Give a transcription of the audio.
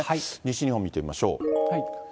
西日本見てみましょう。